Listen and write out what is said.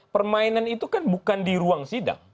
permainan itu kan bukan di ruang sidang